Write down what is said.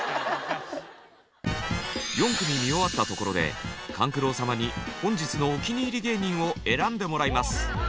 ４組見終わったところで勘九郎様に本日のお気に入り芸人を選んでもらいます。